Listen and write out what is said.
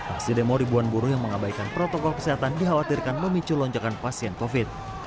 aksi demo ribuan buruh yang mengabaikan protokol kesehatan dikhawatirkan memicu lonjakan pasien covid